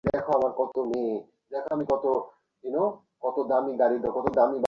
ও-ই বলেছিল আসতে।